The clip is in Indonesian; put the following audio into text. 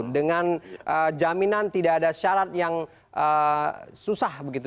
dengan jaminan tidak ada syarat yang susah begitu